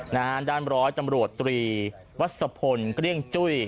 ด้านร้อยตำรวจตรีวัศพลเกลี้ยงจุ้ย